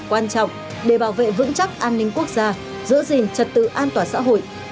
quan trọng để bảo vệ vững chắc an ninh quốc gia giữ gìn trật tự an toàn xã hội